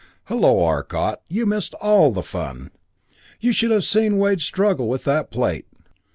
"Hello, Arcot you missed all the fun! You should have seen Wade's struggle with that plate!"